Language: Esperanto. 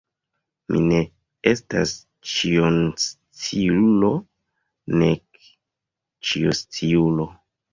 Mi ne estas ĉionsciulo, nek ĉiosciulo.